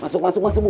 masuk masuk masuk bu